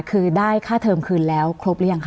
คือได้ค่าเทอมคืนแล้วครบหรือยังคะ